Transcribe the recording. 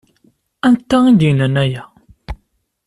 Anta i d-yennan aya?